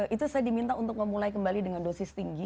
itu saya diminta untuk memulai kembali dengan dosis tinggi